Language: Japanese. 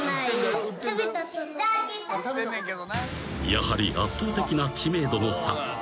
［やはり圧倒的な知名度の差］